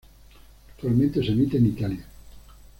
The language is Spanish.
Actualmente se emite en Italia.